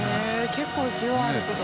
結構勢いあるけど。